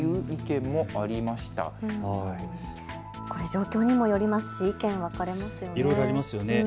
状況にもよりますし意見が分かれますね。